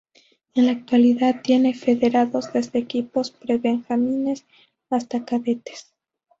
En la actualidad tiene federados desde equipos pre-benjamines hasta cadetes.